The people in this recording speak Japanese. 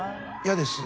嫌です。